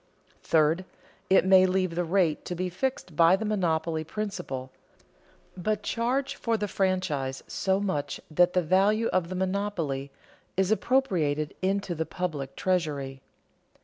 Third, it may leave the rate to be fixed by the monopoly principle, but charge for the franchise so much that the value of the monopoly is appropriated into the public treasury.